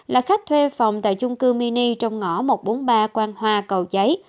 là khách thuê phòng tại chung cư mini trong ngõ một trăm bốn mươi ba quang hoa cầu giấy